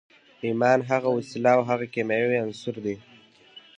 ایمان هغه وسیله او هغه کیمیاوي عنصر دی